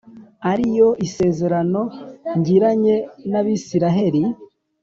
ari yo isezerano ngiranye nabisiraheli